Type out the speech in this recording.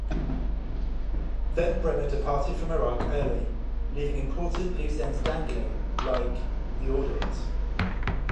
Then Bremer departed from Iraq early, leaving important loose ends dangling-like-the audit.